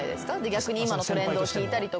逆に今のトレンドを聞いたりとか。